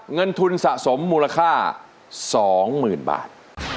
เงินทุนสะสมมูลค่าสองหมื่นบาท